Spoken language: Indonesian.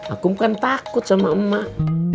aku bukan takut sama emak